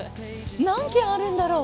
何軒あるんだろ？